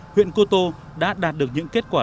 huyện cô tô đã đạt được những kết quả